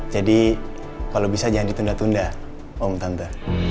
jadi kalau bisa jangan ditunda tunda om tante